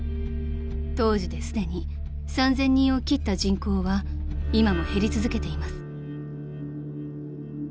［当時ですでに３，０００人を切った人口は今も減り続けています］